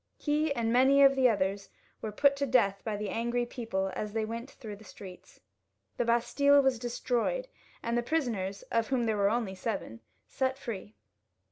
He and many of the others were put to death by the angry people as they went through the streets. The Bastille was destroyed, and the prisoners, of whom there were only seven, set free.